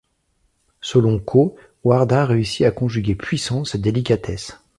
Selon Caux, Warda réussit à conjuguer puissance et délicatesse.